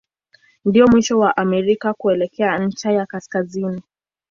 Ndio mwisho wa Amerika kuelekea ncha ya kaskazini.